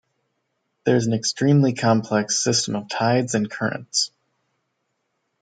There is an extremely complex system of tides and currents.